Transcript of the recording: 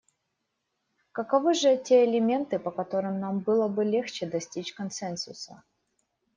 Каковы же те элементы, по которым нам было бы легче достичь консенсуса?